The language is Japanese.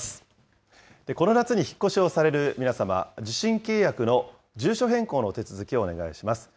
この夏に引っ越しをされる皆様、受信契約の住所変更の手続きをお願いします。